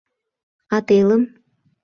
— А телым?